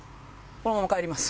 このまま帰ります。